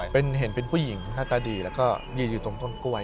เป็นเห็นเป็นผู้หญิงหน้าตาดีแล้วก็ยืนอยู่ตรงต้นกล้วย